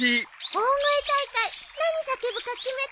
大声大会何叫ぶか決めた？